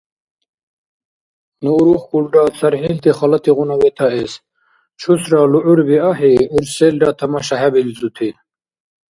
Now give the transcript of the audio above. Ну урухкӀулра цархӀилти халатигъуна ветаэс, чусра лугӀурби ахӀи, гӀур селра тамашахӀебилзути.